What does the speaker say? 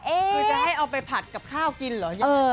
คือจะให้เอาไปผัดกับข้าวกินเหรอยังไง